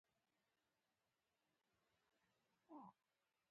هر خوب مې د تقدیر په قبر کې ښخ شو.